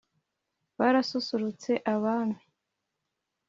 barasusurutse abami,